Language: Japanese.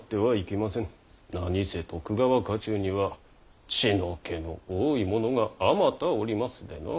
何せ徳川家中には血の気の多い者があまたおりますでな。